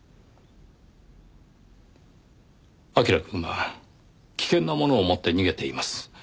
彬くんは危険なものを持って逃げています。